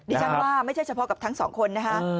ดิฉันว่าไม่ใช่เฉพาะกับทั้งสองคนนะคะ